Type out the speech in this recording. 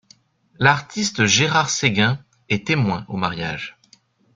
L'artiste Gérard-Séguin est témoin au mariage.